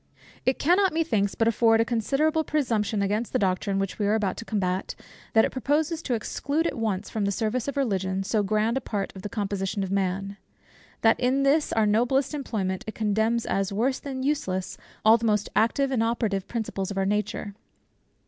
It cannot methinks but afford a considerable presumption against the doctrine which we are about to combat, that it proposes to exclude at once from the service of Religion so grand a part of the composition of man; that in this our noblest employment it condemns as worse than useless, all the most active and operative principles of our nature.